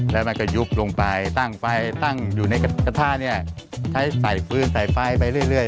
แล้วมันก็ยุบลงไปตั้งไฟตั้งอยู่ในกระทะเนี่ยใช้ใส่ฟื้นใส่ไฟไปเรื่อย